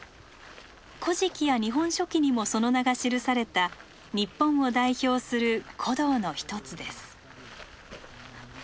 「古事記」や「日本書紀」にもその名が記された日本を代表する古道の一つです。